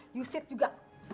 yu sip juga